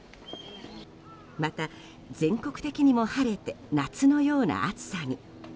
また、全国的にも晴れて夏のような暑さに。